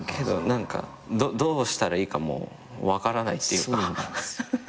何かどうしたらいいかも分からないっていうか。